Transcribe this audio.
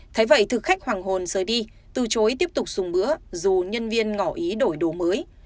thế vậy thực khách hoàng hồn rời đi từ chối tiếp tục dùng bữa dù nhân viên ngỏ ý đổi đồ mới